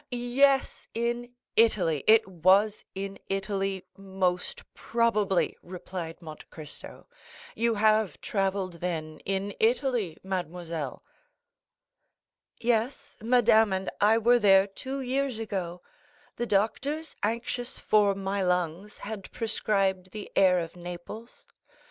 "Yes, in Italy; it was in Italy most probably," replied Monte Cristo; "you have travelled then in Italy, mademoiselle?" "Yes; madame and I were there two years ago. The doctors, anxious for my lungs, had prescribed the air of Naples.